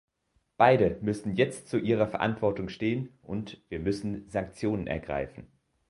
Beide müssen jetzt zu ihrer Verantwortung stehen, und wir müssen Sanktionen ergreifen.